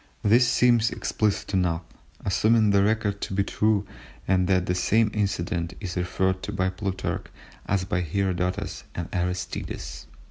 This seems explicit enough, assuming the record to be true and that the same incident is referred to by Plutarch as by Herodotus and Aristides.